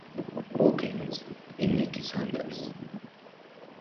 Hawkins y Niki Sanders.